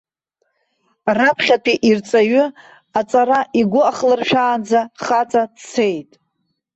Раԥхьатәи ирҵаҩы аҵара игәы ахлыршәаанӡа хаҵа дцеит.